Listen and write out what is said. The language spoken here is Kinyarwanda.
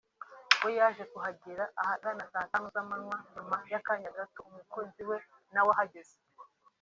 we yaje kuhagera ahagana saa tanu z’amanywa nyuma y’akanya gato umukunzi we nawe ahageze